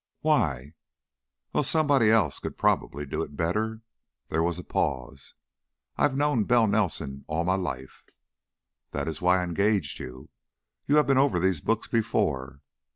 "Why?" "Well, somebody else could probably do it better." There was a pause. "I've known Bell Nelson all my life " "That is why I engaged you. You've been over these books before."